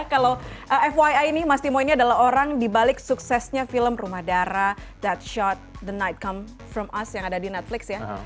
kalau fyi ini mas timo ini adalah orang dibalik suksesnya film rumah darah that shot the night come from us yang ada di netflix ya